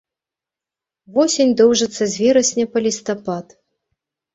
Восень доўжыцца з верасня па лістапад.